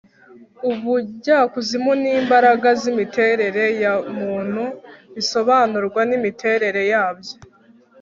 ubujyakuzimu n'imbaraga z'imiterere ya muntu bisobanurwa n'imiterere yabyo